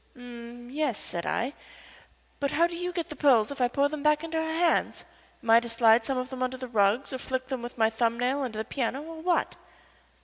"H'm yes," said I. "But how do you get the pearls if I pour them back into her hands? Am I to slide some of them under the rugs, or flick them with my thumb nail under the piano or what?"